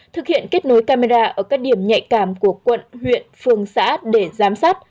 thực hiện kết nối camera ở các điểm nhạy cảm của quận huyện phường xã để giám sát